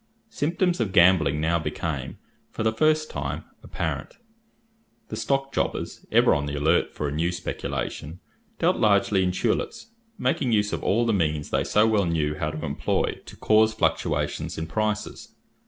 Symptoms of gambling now became, for the first time, apparent. The stock jobbers, ever on the alert for a new speculation, dealt largely in tulips, making use of all the means they so well knew how to employ, to cause fluctuations in prices.